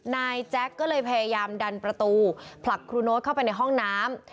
นายแจ๊กก็เลยพยายามดันประตูผลักครูโน๊ตเข้าไปในห้องน้ำ